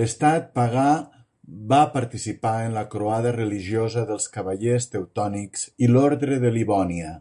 L'estat pagà va participar en la croada religiosa dels Cavallers teutònics i l'Ordre de Livònia.